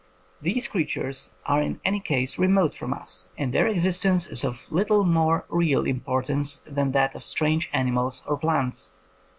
These creatures are in any case remote from us, and their existence is of little more real importance than that of strange animals or plants.